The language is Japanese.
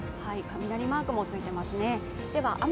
雷マークもついていますね。